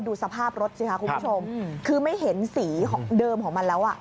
ดูสภาพรถสิคะคุณผู้ชมคือไม่เห็นสีของเดิมของมันแล้วอ่ะ